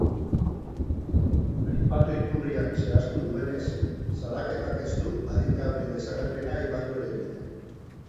Aipatu iturriak zehaztu duenez, salaketak ez du adingabeen desagerpena aipatu ere egiten.